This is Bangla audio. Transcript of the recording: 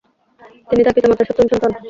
তিনি তার পিতামাতার সপ্তম সন্তান।